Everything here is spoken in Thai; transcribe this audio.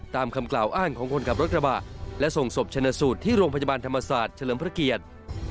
ตามคำกล่าวอ้างของคนขับรถกระบะและส่งศพชนะสูตรที่โรงพยาบาลธรรมศาสตร์เฉลิมพระเกียรติ